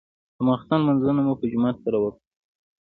د ماخستن لمونځونه مو په جمع سره وکړل.